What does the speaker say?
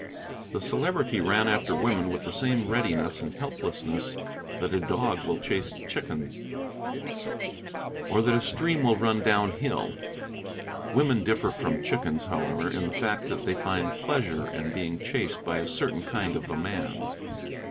The Celebrity ran after women with the same readiness and helplessness that a dog will chase chickens, or that a stream will run down hill. Women differ from chickens, however, in the fact that they find pleasure in being chased by a certain kind of a man.